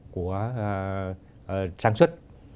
của sản xuất